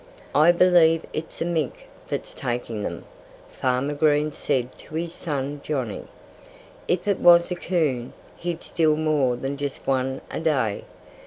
"I believe it's a mink that's taking them," Farmer Green said to his son Johnnie. "If it was a coon, he'd steal more than just one a day....